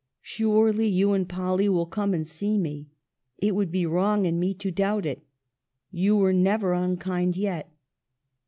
Surely you and Polly will come and see me ; it would be wrong in me to doubt it ; you were never unkind yet.